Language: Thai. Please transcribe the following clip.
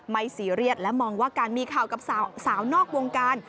ซีเรียสและมองว่าการมีข่าวกับสาวนอกวงการ